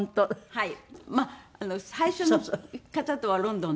はい。